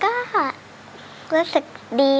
ก็คือร้องให้เหมือนเพลงเมื่อสักครู่นี้